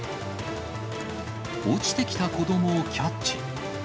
落ちてきた子どもをキャッチ。